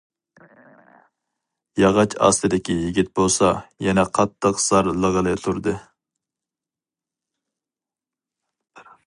ياغاچ ئاستىدىكى يىگىت بولسا، يەنە قاتتىق زارلىغىلى تۇردى.